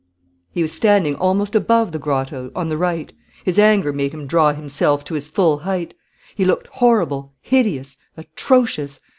He was standing almost above the grotto, on the right. His anger made him draw himself to his full height. He looked horrible, hideous, atrocious.